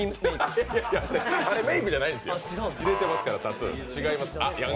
あれ、メイクじゃないんですよ、入れてますから。